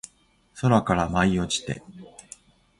空から舞い落ちて